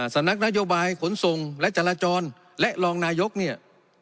สำนักนโยบายขนส่งและจราจรและรองนายกเนี่ย